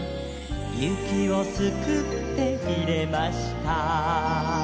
「雪をすくって入れました」